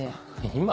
今？